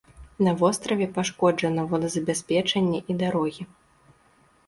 На востраве пашкоджана водазабеспячэнне і дарогі.